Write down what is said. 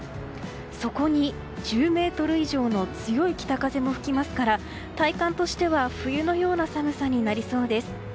そこに１０メートル以上の強い北風も吹きますから体感としては冬のような寒さになりそうです。